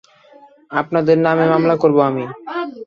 আপনাদের নামে মামলা করব আমি।